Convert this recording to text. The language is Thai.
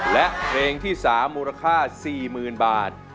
และเพลงที่๓มูลค่า๔๐๐๐บาท